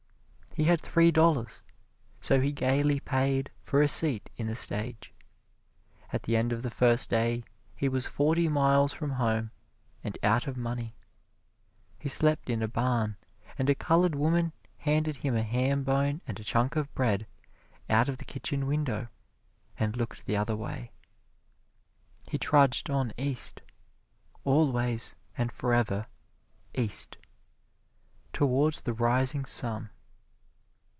He had three dollars, so he gaily paid for a seat in the stage. At the end of the first day he was forty miles from home and out of money. He slept in a barn, and a colored woman handed him a ham bone and a chunk of bread out of the kitchen window, and looked the other way. He trudged on east always and forever east towards the rising sun.